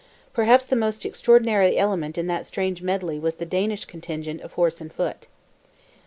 Perhaps the most extraordinary element in that strange medley was the Danish contingent of horse and foot.